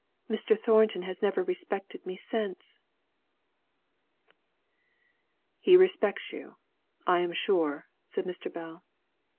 Mr. Thornton has never respected me since." "He respects you, I am sure," said Mr. Bell.